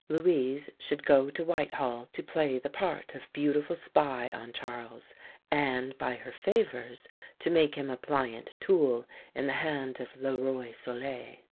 Louise should go to Whitehall to play the part of beautiful spy on Charles, and, by her favours, to make him a pliant tool in the hand of "le Roi Soleil."